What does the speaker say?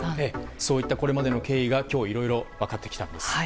そういったこれまでの経緯が今日いろいろ分かってきたんです。